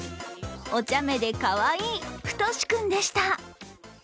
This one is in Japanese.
おちゃめでかわいいふとし君でした。